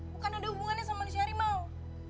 bukan ada hubungannya sama manusia harimau